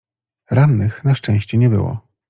Rannych na szczęście nie było.